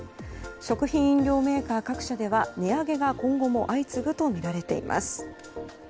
食品・飲料メーカー各社では値上げが今後も相次ぐとみられています。